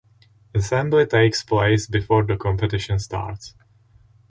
Assembly takes place before the competition starts.